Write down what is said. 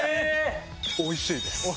おいしいです。